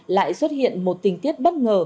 lại xuất hiện một tình tiết bất ngờ